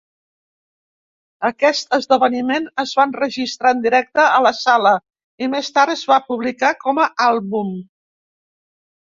Aquest esdeveniment es va enregistrar en directe a la sala i més tard es va publicar com a àlbum.